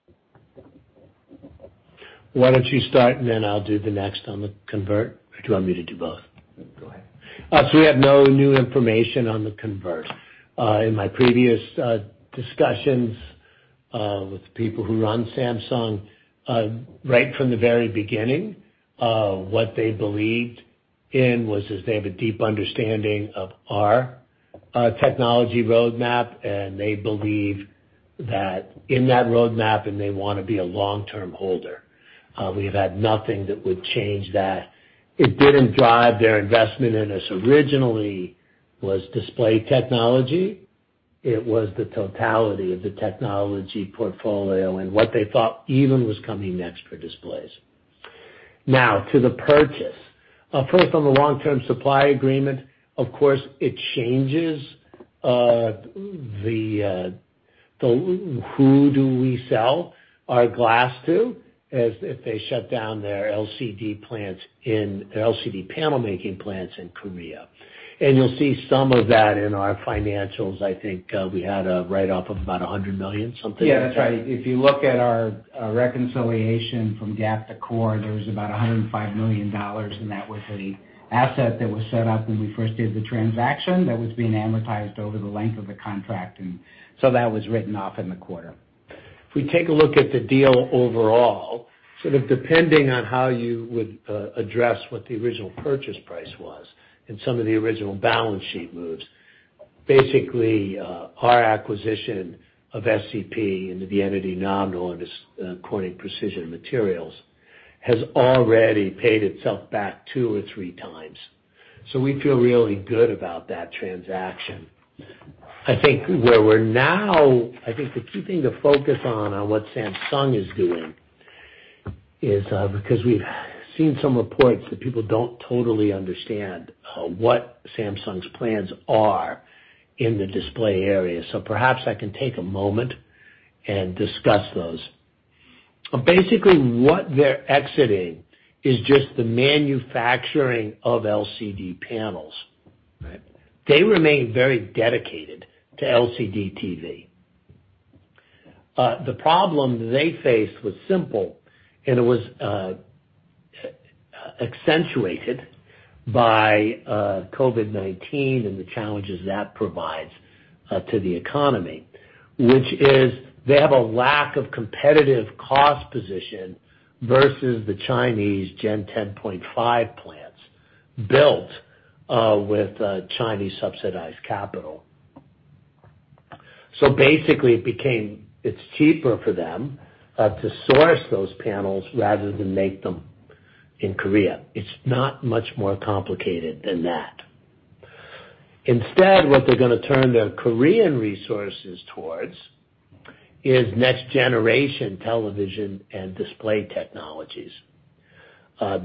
Why don't you start, and then I'll do the next on the convert. Do you want me to do both? Go ahead. We have no new information on the convert. In my previous discussions with the people who run Samsung, right from the very beginning, what they believed in was that they have a deep understanding of our technology roadmap, and they believe in that roadmap, and they want to be a long-term holder. We have had nothing that would change that. It didn't drive their investment in us. Originally, it was display technology. It was the totality of the technology portfolio and what they thought even was coming next for displays. To the purchase. First, on the long-term supply agreement, of course, it changes who do we sell our glass to, as if they shut down their LCD panel making plants in Korea. You'll see some of that in our financials. I think we had a write-off of about $100 million, something like that. Yeah, that's right. If you look at our reconciliation from GAAP to core, there was about $105 million, and that was an asset that was set up when we first did the transaction that was being amortized over the length of the contract. That was written off in the quarter. If we take a look at the deal overall, sort of depending on how you would address what the original purchase price was and some of the original balance sheet moves. Basically, our acquisition of SCP into the entity now Corning Precision Materials has already paid itself back two or three times. We feel really good about that transaction. I think the key thing to focus on what Samsung is doing is because we've seen some reports that people don't totally understand what Samsung's plans are in the display area. Perhaps I can take a moment and discuss those. Basically, what they're exiting is just the manufacturing of LCD panels. They remain very dedicated to LCD TV. The problem they faced was simple, and it was accentuated by COVID-19 and the challenges that provides to the economy, which is they have a lack of competitive cost position versus the Chinese Gen 10.5 plants built with Chinese subsidized capital. Basically, it became it's cheaper for them to source those panels rather than make them in Korea. It's not much more complicated than that. Instead, what they're going to turn their Korean resources towards is next generation television and display technologies.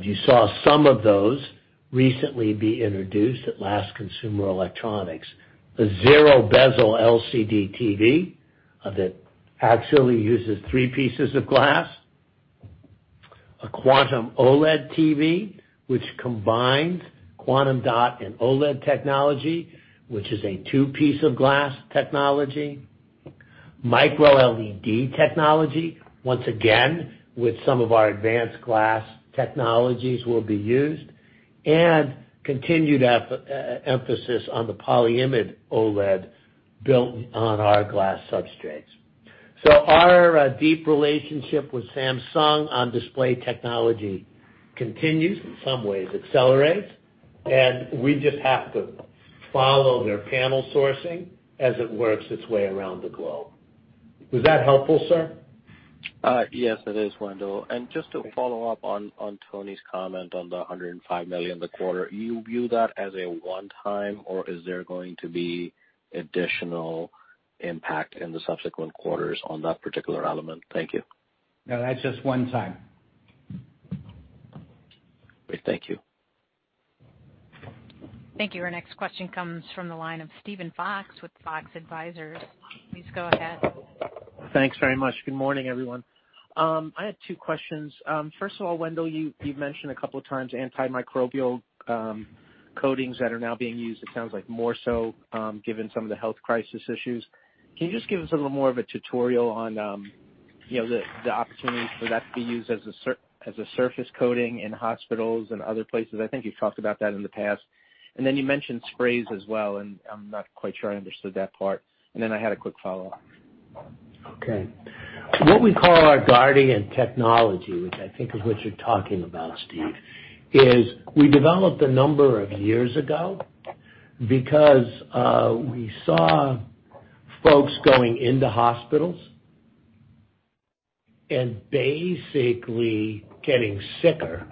You saw some of those recently be introduced at last Consumer Electronics. The zero bezel LCD TV that actually uses three pieces of glass, a quantum OLED TV, which combines quantum dot and OLED technology, which is a two-piece of glass technology, MicroLED technology, once again, with some of our advanced glass technologies will be used, and continued emphasis on the polyimide OLED built on our glass substrates. Our deep relationship with Samsung on display technology continues, in some ways accelerates, and we just have to follow their panel sourcing as it works its way around the globe. Was that helpful, sir? Yes, it is, Wendell. Just to follow up on Tony's comment on the $105 million a quarter, you view that as a one-time, or is there going to be additional impact in the subsequent quarters on that particular element? Thank you. No, that's just one time. Great. Thank you. Thank you. Our next question comes from the line of Steven Fox with Fox Advisors. Please go ahead. Thanks very much. Good morning, everyone. I had two questions. First of all, Wendell, you've mentioned a couple of times antimicrobial coatings that are now being used, it sounds like more so, given some of the health crisis issues. Can you just give us a little more of a tutorial on the opportunities for that to be used as a surface coating in hospitals and other places? I think you've talked about that in the past. You mentioned sprays as well, and I'm not quite sure I understood that part. I had a quick follow-up. Okay. What we call our Guardiant technology, which I think is what you're talking about, Steven, is we developed a number of years ago because we saw folks going into hospitals and basically getting sicker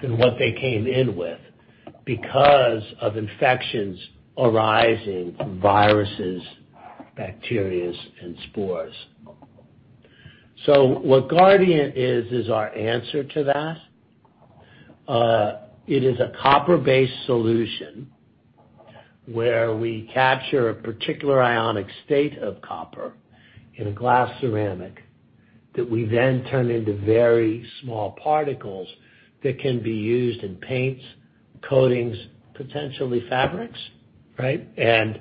than what they came in with because of infections arising from viruses, bacteria, and spores. What Guardiant is our answer to that. It is a copper-based solution where we capture a particular ionic state of copper in a glass ceramic that we then turn into very small particles that can be used in paints, coatings, potentially fabrics, right, and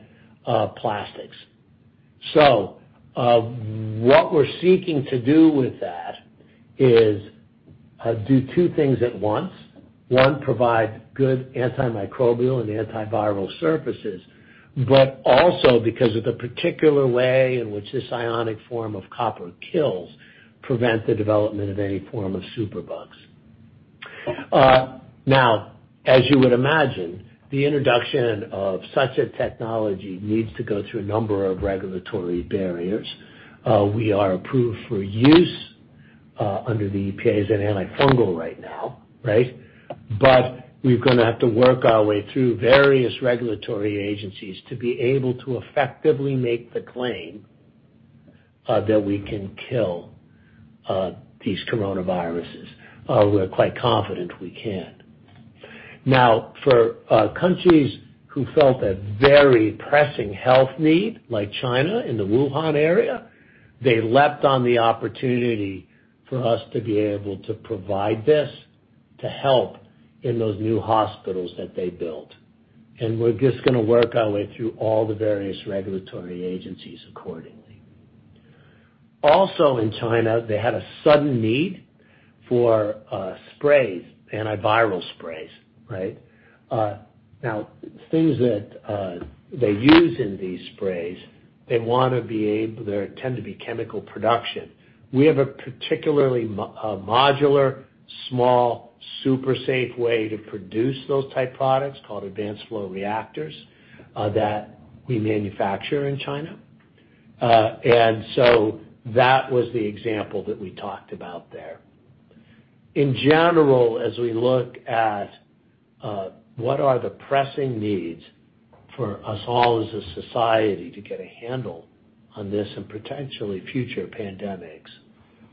plastics. What we're seeking to do with that is do two things at once. One, provide good antimicrobial and antiviral surfaces, but also because of the particular way in which this ionic form of copper kills, prevent the development of any form of superbugs. Now, as you would imagine, the introduction of such a technology needs to go through a number of regulatory barriers. We are approved for use under the EPA as an antifungal right now. We're going to have to work our way through various regulatory agencies to be able to effectively make the claim that we can kill these coronaviruses. We're quite confident we can. Now, for countries who felt a very pressing health need, like China in the Wuhan area, they leapt on the opportunity for us to be able to provide this to help in those new hospitals that they built. We're just going to work our way through all the various regulatory agencies accordingly. Also in China, they had a sudden need for sprays, antiviral sprays, right? Now, things that they use in these sprays, there tend to be chemical production. We have a particularly modular, small, super safe way to produce those type products called Advanced-Flow Reactors that we manufacture in China. That was the example that we talked about there. In general, as we look at what are the pressing needs for us all as a society to get a handle on this and potentially future pandemics,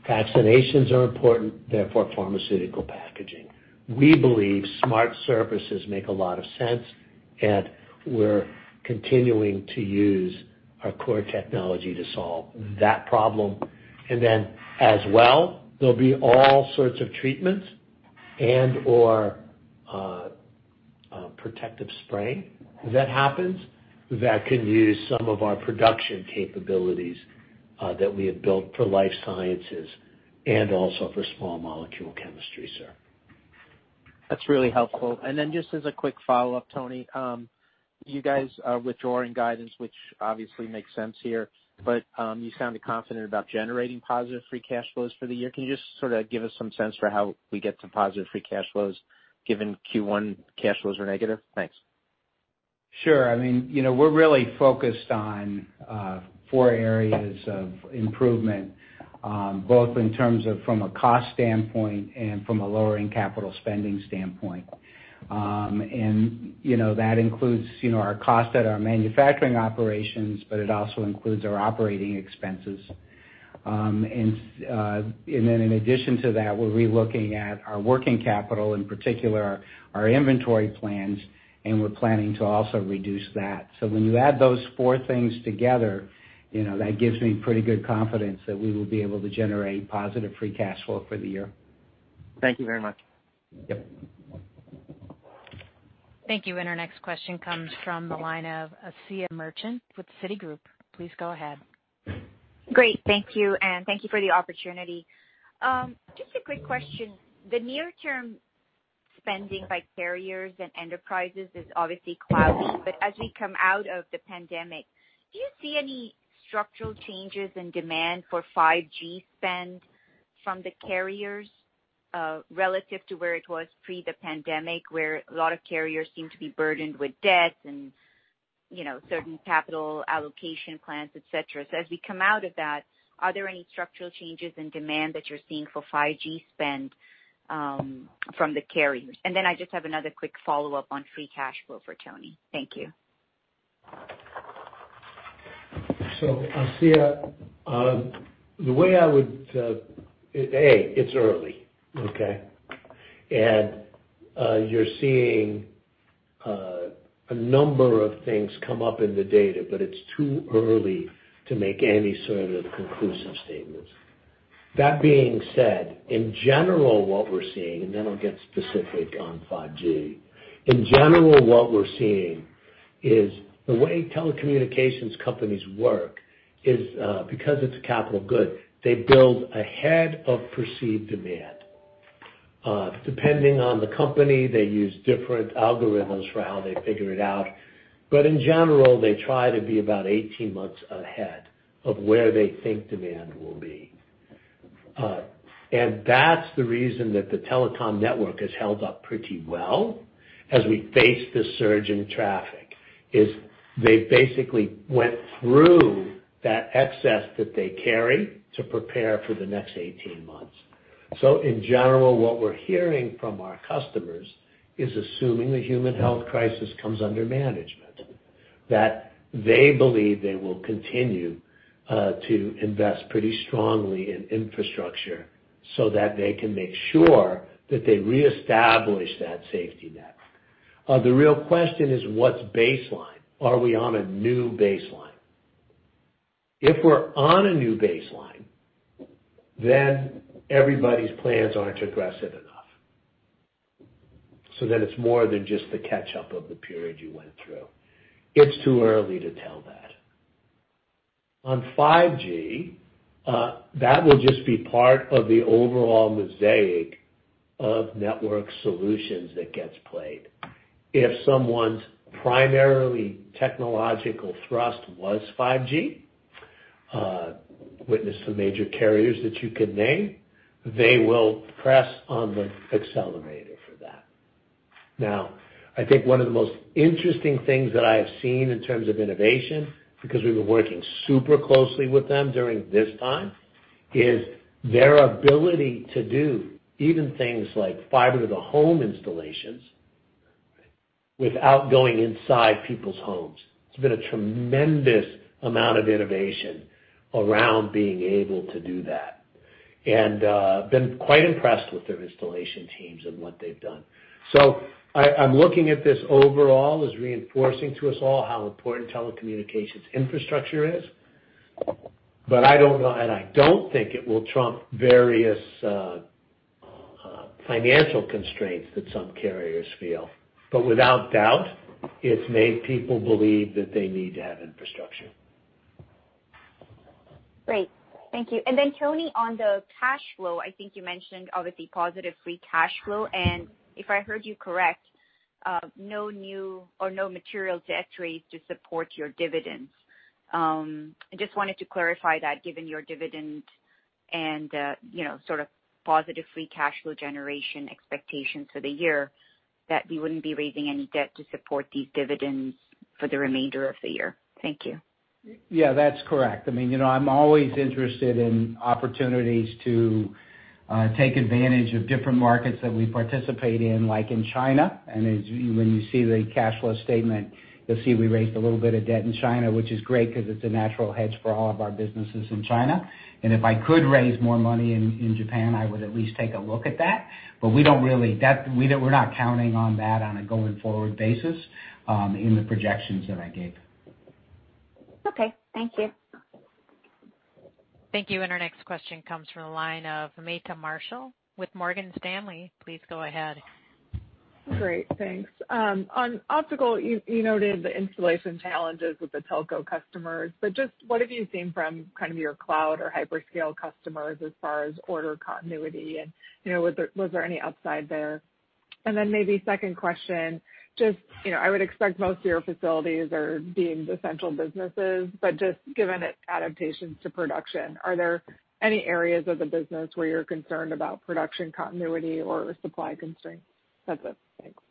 vaccinations are important, therefore pharmaceutical packaging. We believe smart surfaces make a lot of sense, and we're continuing to use our core technology to solve that problem. As well, there'll be all sorts of treatments and/or protective spray. If that happens, that could use some of our production capabilities, that we have built for life sciences and also for small molecule chemistry, sir. That's really helpful. Just as a quick follow-up, Tony, you guys are withdrawing guidance, which obviously makes sense here, but you sound confident about generating positive free cash flows for the year. Can you just sort of give us some sense for how we get to positive free cash flows given Q1 cash flows are negative? Thanks. Sure. We're really focused on four areas of improvement, both in terms of from a cost standpoint and from a lowering capital spending standpoint. That includes our costs at our manufacturing operations, but it also includes our operating expenses. In addition to that, we'll be looking at our working capital, in particular our inventory plans, and we're planning to also reduce that. When you add those four things together, that gives me pretty good confidence that we will be able to generate positive free cash flow for the year. Thank you very much. Thank you. Our next question comes from the line of Asiya Merchant with Citigroup. Please go ahead. Great. Thank you, and thank you for the opportunity. Just a quick question. The near-term spending by carriers and enterprises is obviously cloudy, but as we come out of the pandemic, do you see any structural changes in demand for 5G spend from the carriers, relative to where it was pre the pandemic, where a lot of carriers seem to be burdened with debt and certain capital allocation plans, et cetera. As we come out of that, are there any structural changes in demand that you're seeing for 5G spend from the carriers? I just have another quick follow-up on free cash flow for Tony. Thank you. Asiya, it's early. Okay? You're seeing a number of things come up in the data, but it's too early to make any sort of conclusive statements. That being said, in general what we're seeing, and then I'll get specific on 5G. In general, what we're seeing is the way telecommunications companies work is, because it's a capital good, they build ahead of perceived demand. Depending on the company, they use different algorithms for how they figure it out. In general, they try to be about 18 months ahead of where they think demand will be. That's the reason that the telecom network has held up pretty well as we face this surge in traffic, is they basically went through that excess that they carry to prepare for the next 18 months. In general, what we're hearing from our customers is assuming the human health crisis comes under management, that they believe they will continue to invest pretty strongly in infrastructure so that they can make sure that they reestablish that safety net. The real question is what's baseline? Are we on a new baseline? If we're on a new baseline, then everybody's plans aren't aggressive enough. Then it's more than just the catch-up of the period you went through. It's too early to tell that. On 5G, that will just be part of the overall mosaic of network solutions that gets played. If someone's primarily technological thrust was 5G, witness some major carriers that you can name, they will press on the accelerator for that. I think one of the most interesting things that I have seen in terms of innovation, because we've been working super closely with them during this time, is their ability to do even things like fiber to the home installations without going inside people's homes. It's been a tremendous amount of innovation around being able to do that. I've been quite impressed with their installation teams and what they've done. I'm looking at this overall as reinforcing to us all how important telecommunications infrastructure is. I don't know, and I don't think it will trump various financial constraints that some carriers feel. Without doubt, it's made people believe that they need to have infrastructure. Great. Thank you. Tony, on the cash flow, I think you mentioned obviously positive free cash flow, if I heard you correct, no new or no material debt raised to support your dividends. I just wanted to clarify that given your dividend and sort of positive free cash flow generation expectations for the year, that you wouldn't be raising any debt to support these dividends for the remainder of the year. Thank you. Yeah, that's correct. I'm always interested in opportunities to take advantage of different markets that we participate in, like in China. When you see the cash flow statement, you'll see we raised a little bit of debt in China, which is great because it's a natural hedge for all of our businesses in China. If I could raise more money in Japan, I would at least take a look at that. We're not counting on that on a going-forward basis in the projections that I gave. Okay. Thank you. Thank you. Our next question comes from the line of Meta Marshall with Morgan Stanley. Please go ahead. Great, thanks. On optical, you noted the installation challenges with the telco customers. Just what have you seen from kind of your cloud or hyperscale customers as far as order continuity? Was there any upside there? Then maybe second question, just, I would expect most of your facilities are deemed essential businesses. Just given adaptations to production, are there any areas of the business where you're concerned about production continuity or supply constraints? That's it. Thanks.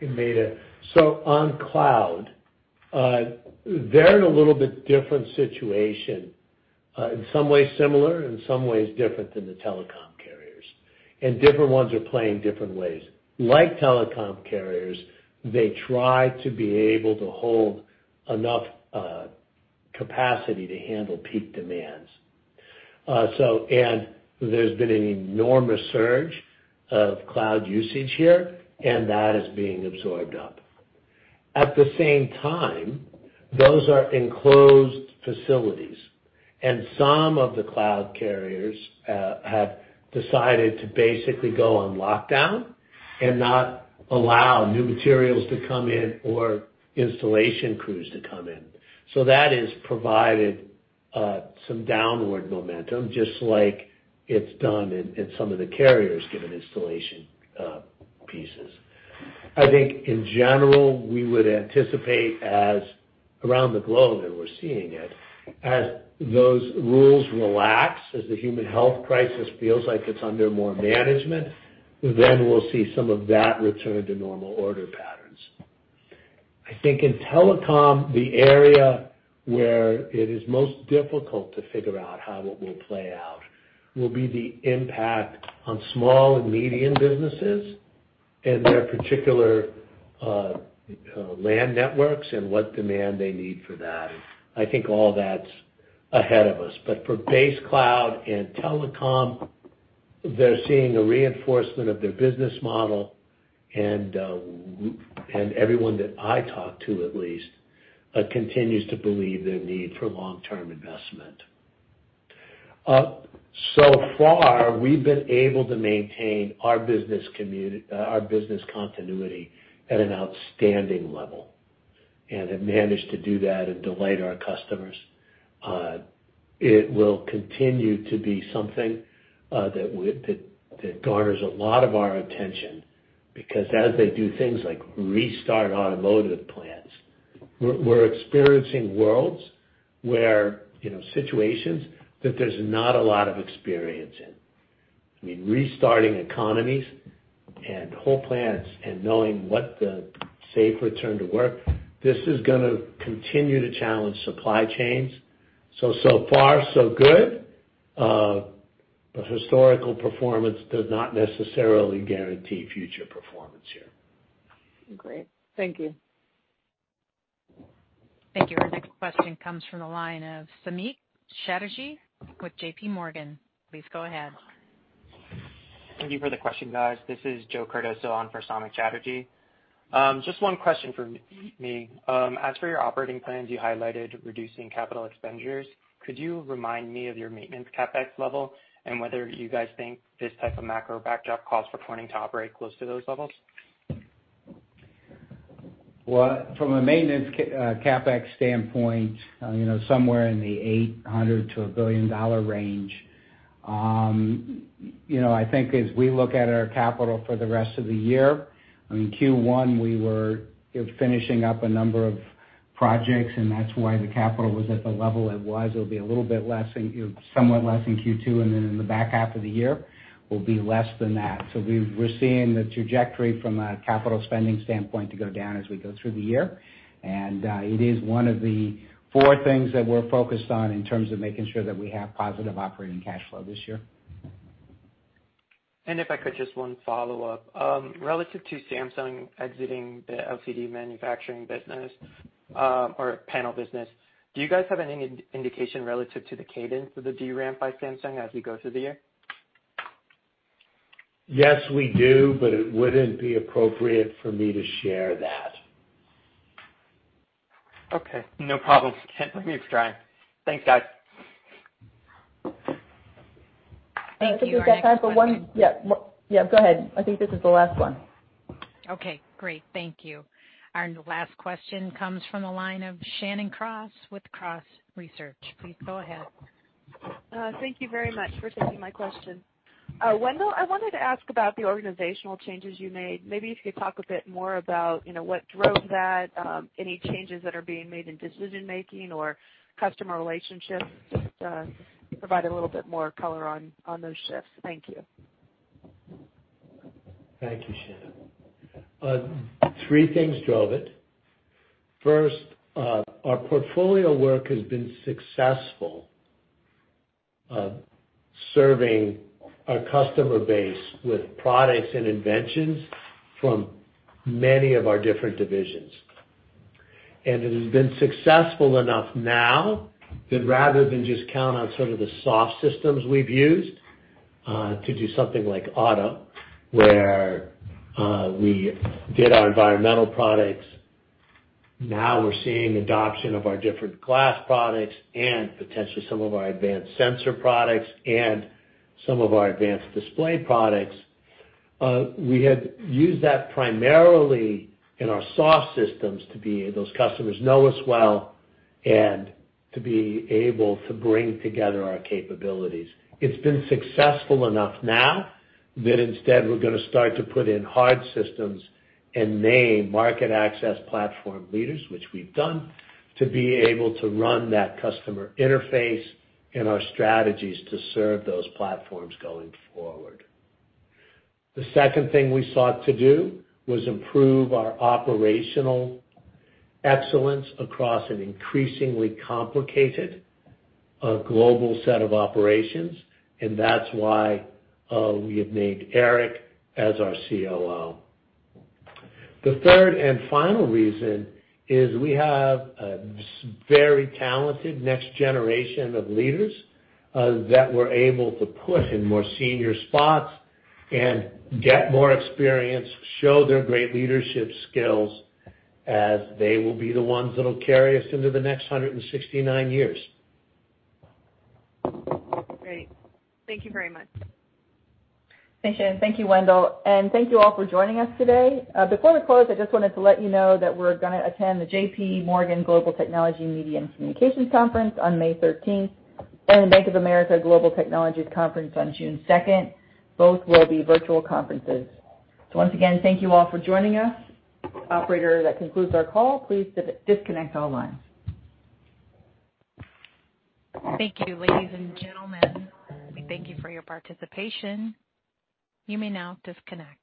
Hey, Meta. On cloud, they're in a little bit different situation. In some ways similar, in some ways different than the telecom carriers. Different ones are playing different ways. Like telecom carriers, they try to be able to hold enough capacity to handle peak demands. There's been an enormous surge of cloud usage here, and that is being absorbed up. At the same time, those are enclosed facilities, and some of the cloud carriers have decided to basically go on lockdown and not allow new materials to come in or installation crews to come in. That has provided some downward momentum, just like it's done in some of the carriers given installation pieces. I think in general, we would anticipate as around the globe, we're seeing it, as those rules relax, as the human health crisis feels like it's under more management, then we'll see some of that return to normal order patterns. I think in telecom, the area where it is most difficult to figure out how it will play out will be the impact on small and medium businesses and their particular LAN networks and what demand they need for that. I think all that's ahead of us. For base cloud and telecom, they're seeing a reinforcement of their business model and everyone that I talk to at least, continues to believe their need for long-term investment. So far, we've been able to maintain our business continuity at an outstanding level and have managed to do that and delight our customers. It will continue to be something that garners a lot of our attention because as they do things like restart automotive plants, we're experiencing situations that there's not a lot of experience in. I mean, restarting economies and whole plants and knowing what the safe return to work, this is gonna continue to challenge supply chains. So far so good. Historical performance does not necessarily guarantee future performance here. Great. Thank you. Thank you. Our next question comes from the line of Samik Chatterjee with JPMorgan. Please go ahead. Thank you for the question, guys. This is Joseph Cardoso on for Samik Chatterjee. Just one question from me. As for your operating plans, you highlighted reducing capital expenditures. Could you remind me of your maintenance CapEx level and whether you guys think this type of macro backdrop calls for Corning to operate close to those levels? Well, from a maintenance CapEx standpoint, somewhere in the $800 million-$1 billion range. I think as we look at our capital for the rest of the year, I mean, Q1, we were finishing up a number of projects, that's why the capital was at the level it was. It'll be somewhat less in Q2, then in the back half of the year will be less than that. We're seeing the trajectory from a capital spending standpoint to go down as we go through the year. It is one of the four things that we're focused on in terms of making sure that we have positive operating cash flow this year. If I could, just one follow-up. Relative to Samsung exiting the LCD manufacturing business, or panel business, do you guys have any indication relative to the cadence of the DRAM by Samsung as we go through the year? Yes, we do, but it wouldn't be appropriate for me to share that. Okay, no problems. Can't blame me for trying. Thanks, guys. Thank you. Our next question. I think we've got time for one. Yeah. Go ahead. I think this is the last one. Okay, great. Thank you. Our last question comes from the line of Shannon Cross with Cross Research. Please go ahead. Thank you very much for taking my question. Wendell, I wanted to ask about the organizational changes you made. Maybe if you could talk a bit more about what drove that, any changes that are being made in decision-making or customer relationships. Provide a little bit more color on those shifts. Thank you. Thank you, Shannon. Three things drove it. First, our portfolio work has been successful serving our customer base with products and inventions from many of our different divisions. It has been successful enough now that rather than just count on sort of the soft systems we've used, to do something like auto, where we did our environmental products. Now we're seeing adoption of our different glass products and potentially some of our advanced sensor products and some of our advanced display products. We had used that primarily in our soft systems to be those customers know us well and to be able to bring together our capabilities. It's been successful enough now that instead, we're going to start to put in hard systems and name market access platform leaders, which we've done, to be able to run that customer interface and our strategies to serve those platforms going forward. The second thing we sought to do was improve our operational excellence across an increasingly complicated global set of operations. That's why we have named Eric as our COO. The third and final reason is we have a very talented next generation of leaders that we're able to put in more senior spots and get more experience, show their great leadership skills as they will be the ones that'll carry us into the next 169 years. Great. Thank you very much. Thanks, Shannon. Thank you, Wendell. Thank you all for joining us today. Before we close, I just wanted to let you know that we're going to attend the JPMorgan Global Technology, Media and Communications Conference on May 13th and the Bank of America Global Technologies Conference on June 2nd. Both will be virtual conferences. Once again, thank you all for joining us. Operator, that concludes our call. Please disconnect all lines. Thank you, ladies and gentlemen. We thank you for your participation. You may now disconnect.